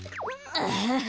アハハ。